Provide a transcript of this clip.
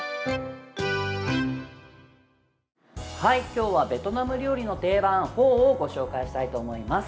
今日はベトナム料理の定番フォーをご紹介したいと思います。